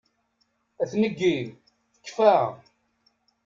A tneggi! Tekfa!